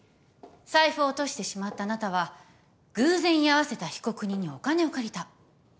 財布を落としてしまったあなたは偶然居合わせた被告人にお金を借りた。